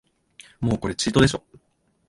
もうこれチートでしょ